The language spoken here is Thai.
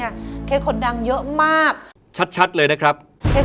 เค้กดดังเยอะมากชัดเลยนะครับ